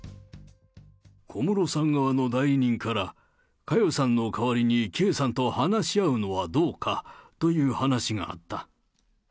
小室さん側の代理人から、佳代さんの代わりに圭さんと話し合うのはどうかという話があった。